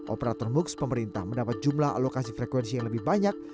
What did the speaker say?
operator moocs pemerintah mendapat jumlah alokasi frekuensi yang lebih banyak